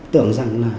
tưởng rằng là